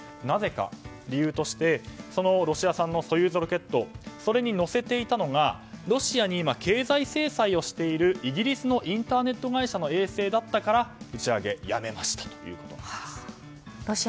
なぜか、理由としてそのロシア産の「ソユーズ」ロケットそれに載せていたのがロシアに今、経済制裁をしているイギリスのインターネット会社の衛星だったから打ち上げをやめましたということです。